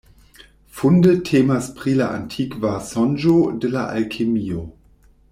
Funde temas pri la antikva sonĝo de la alkemio.